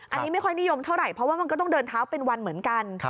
อันนี้ไม่ค่อยนิยมเท่าไหร่เพราะว่ามันก็ต้องเดินเท้าเป็นวันเหมือนกัน